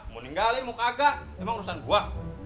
mau ninggalin mau kagak emang urusan gua